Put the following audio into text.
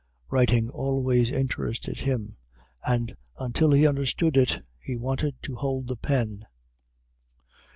Writing always interested him, and, until he understood it, he wanted to hold the pen.